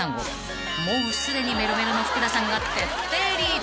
［もうすでにメロメロの福田さんが徹底リード］